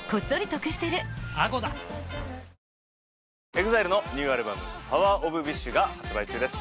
ＥＸＩＬＥのニューアルバム『ＰＯＷＥＲＯＦＷＩＳＨ』が発売中です。